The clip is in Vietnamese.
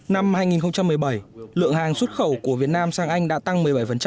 năm hai nghìn một mươi bảy lượng hàng xuất khẩu của việt nam sang anh đã tăng một mươi bảy